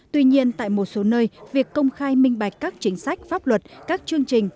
tuy nhiên tại một số nơi việc công khai minh bạch các chính sách pháp luật các chương trình